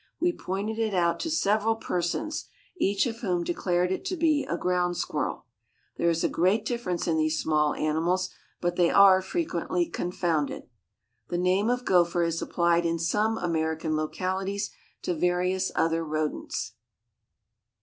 We pointed it out to several persons, each of whom declared it to be a ground squirrel. There is a great difference in these small animals, but they are frequently confounded. The name of gopher is applied in some American localities to various other rodents.